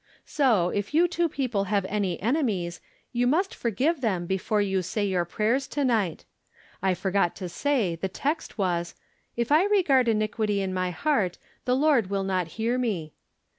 So, if j'ou two people have any enemies, you must forgive them before you say j'our prayers to night. I forgot to say the text was, " If I re gard iniquity in my heart, the Lord will not hear me."